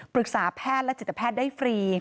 ปรึกษาแพทย์และจิตแพทย์ได้ฟรี